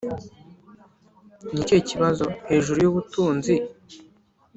'ni ikihe kibazo, hejuru y'ubutunzi?'